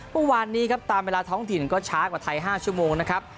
เมื่อวานนี้ครับตามเวลาท้องถิ่นก็ช้ากว่าไทย๕ชั่วโมงนะครับ